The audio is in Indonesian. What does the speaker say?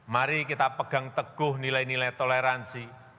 mari kita pegang teguh nilai nilai toleransi